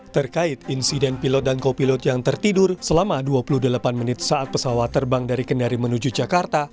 terkait insiden pilot dan kopilot yang tertidur selama dua puluh delapan menit saat pesawat terbang dari kendari menuju jakarta